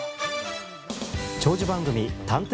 長寿番組「探偵！